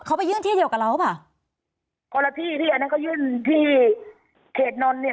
เขาไปยื่นที่เดียวกับเราหรือเปล่าคนละที่ที่อันนั้นก็ยื่นที่เขตนนท์เนี่ย